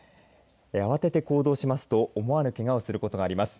慌てて行動しますと思わぬけがをすることがあります。